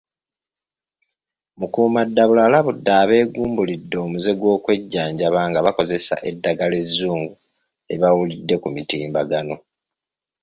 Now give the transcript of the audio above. Mukuumaddamula alabudde abeegumbulidde omuze gw’okwejjanjaba nga bakozesa eddagala ezzungu lye bawulidde ku mutimbagano.